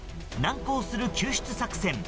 難航する救出作戦。